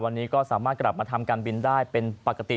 วันนี้ก็สามารถกลับมาทำการบินได้เป็นปกติ